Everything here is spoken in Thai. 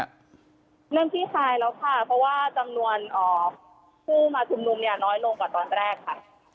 เริ่มขึ้นที่คลายแล้วค่ะเพราะว่าจำนวนผู้มาชุมนุม